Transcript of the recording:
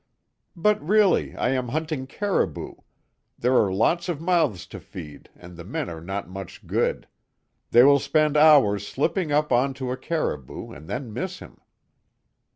"But really, I am hunting caribou. There are lots of mouths to feed, and the men are not much good. They will spend hours slipping up onto a caribou and then miss him."